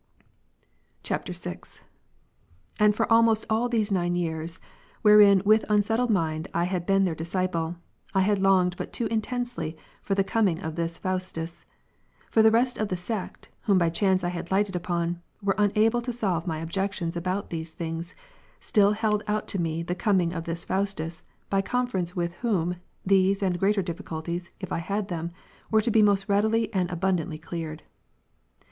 [VI.] 10. And for almost all those nine years, wherein with unsettled mind I had been their disciple,! had longed buttoo intensely for the coming of this Faustus. For the rest of the sect, whom by chance I had lighted ujDon, when unable to solve my objections about these things, still held out to me the coming of this Faustus, by conference with whom, these and greater difficulties, if I had them, were to be most readily and abundantly cleared.